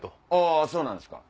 あぁそうなんですか。